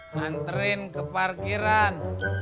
nanterin ke parkiran